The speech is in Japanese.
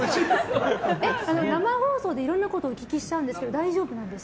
生放送でいろんなことをお聞きしちゃうんですけど大丈夫です。